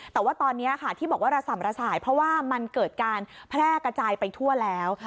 แต่ว่าตอนนี้ค่ะที่บอกว่าระส่ำระสายเพราะว่ามันเกิดการแพร่กระจายไปทั่วแล้ว